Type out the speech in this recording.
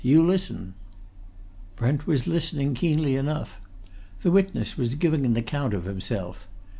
You listen!" Brent was listening, keenly enough. The witness was giving an account of himself.